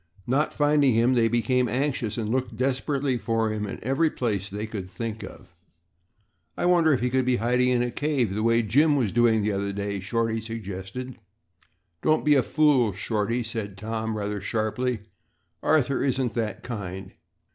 Not finding him, they became anxious and looked desperately for him in every place they could think of. "I wonder if he could be hiding in a cave the way Jim was doing the other day," Shorty suggested. "Don't be a fool, Shorty," said Tom, rather sharply. "Arthur isn't that kind.